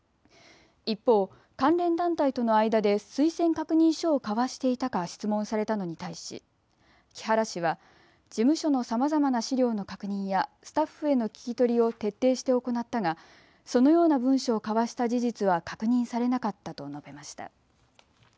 一方、関連団体との間で推薦確認書を交わしていたか質問されたのに対し、木原氏は事務所のさまざまな資料の確認やスタッフへの聞き取りを徹底して行ったがそのような文書を交わした事実は確認されなかったと述べました。